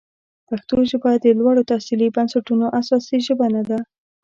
پښتو ژبه د لوړو تحصیلي بنسټونو اساسي ژبه نه ده.